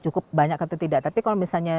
cukup banyak atau tidak tapi kalau misalnya